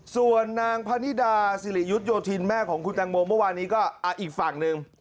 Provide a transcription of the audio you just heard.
ส่วนนางพนิดาสิริยุทธโยธินแม่ของคุณแตงโมเมื่อวานนี้ก็อีกฝั่งหนึ่ง